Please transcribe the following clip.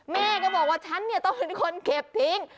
แม่ก็บอกว่าฉันเนี่ยต้องเป็นคนเก็บทิ้ง